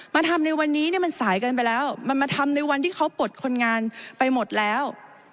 มาทำในวันนี้เนี่ยมันสายเกินไปแล้วมันมาทำในวันที่เขาปลดคนงานไปหมดแล้ว